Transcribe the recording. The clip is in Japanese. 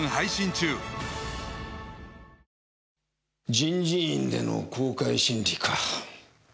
人事院での公開審理か。